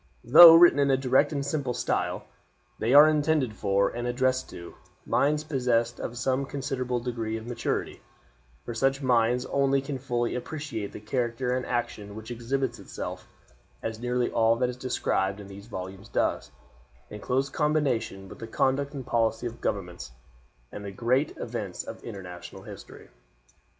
Though written in a direct and simple style, they are intended for, and addressed to, minds possessed of some considerable degree of maturity, for such minds only can fully appreciate the character and action which exhibits itself, as nearly all that is described in these volumes does, in close combination with the conduct and policy of governments, and the great events of international history.